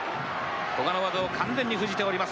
古賀の技を完全に封じております。